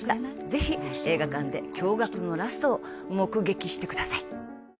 ぜひ映画館で驚愕のラストを目撃してください